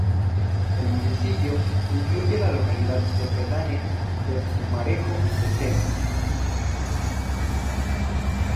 El municipio incluye la localidad pedánea de Pumarejo de Tera.